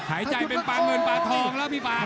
ใส่ใจเป็นฝาร์ดเงินปากทองแล้วพี่ฝาร์ด